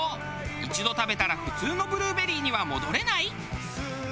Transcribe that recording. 一度食べたら普通のブルーベリーには戻れない？